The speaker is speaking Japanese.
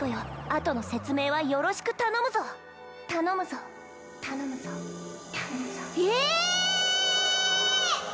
あとの説明はよろしく頼むぞ頼むぞ頼むぞ頼むぞええ！